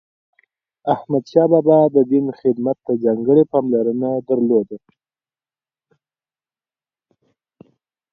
احمدشاه بابا د دین خدمت ته ځانګړی پاملرنه درلوده.